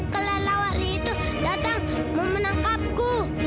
kelelawar itu datang mau menangkapku